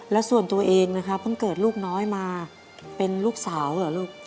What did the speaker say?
และส่วนตัวเองพอเกิดลูกน้อยมาเป็นลูกสาวเหรอลูก